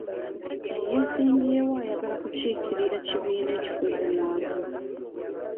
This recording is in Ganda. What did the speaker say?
Ey'esimbyewo ayagala kukiikirira kibiina kifuzi mu Arua.